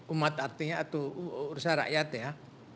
umat artinya atau urusan rakyat ya